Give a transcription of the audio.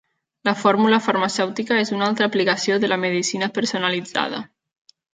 La fórmula farmacèutica és una altra aplicació de la medicina personalitzada.